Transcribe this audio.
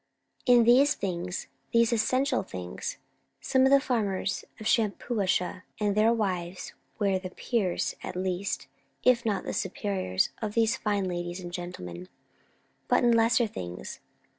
In these things, these essential things, some of the farmers of Shampuashuh and their wives were the peers at least, if not the superiors, of these fine ladies and gentlemen. But in lesser things!